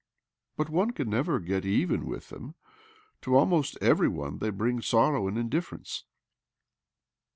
" But one can never get even with them. To almost every one they bring sorrow and indifference."